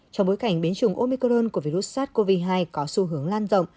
trong bối cảnh biến chủng omicron của virus sars cov hai có xu hướng lan rộng